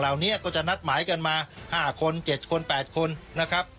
เหล่านี้ก็จะนัดหมายกันมาห้าคนเจ็ดคนแปดคนนะครับ